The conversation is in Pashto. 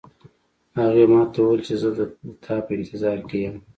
هغې ما ته وویل چې زه د تا په انتظار کې یم